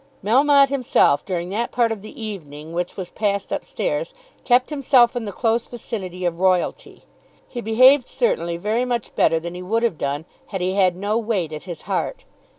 Melmotte himself during that part of the evening which was passed up stairs kept himself in the close vicinity of royalty. He behaved certainly very much better than he would have done had he had no weight at his heart.